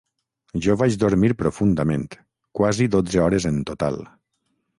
Jo vaig dormir profundament, quasi dotze hores en total.